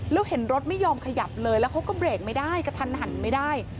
แล้วเห็นรถไม่ยอมขยับเลยแล้วเขาก็เบรกไม่ได้กระทันหันไม่ได้